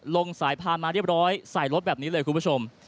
ลงสายพานมาเรียบร้อยใส่รถแบบนี้เลยคุณผู้ชม